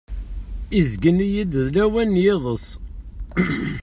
Izeggen yiḍ, d lawan n yiḍes.